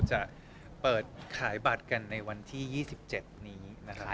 ใช่ครับครับรอบเดียวนะครับ